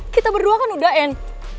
kita berdua kan udah n